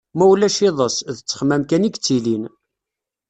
Ma ulac iḍes, d ttexmam kan i yettilin.